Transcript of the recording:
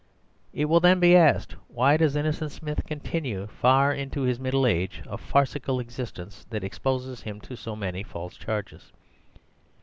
"It will then be asked, 'Why does Innocent Smith continue far into his middle age a farcical existence, that exposes him to so many false charges?